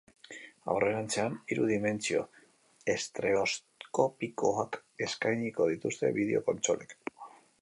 Aurrerantzean hiru dimentsio estreoskopikoak eskainiko dituzte bideo-kontsolek.